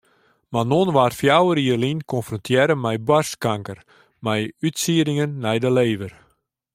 Manon waard fjouwer jier lyn konfrontearre mei boarstkanker mei útsieddingen nei de lever.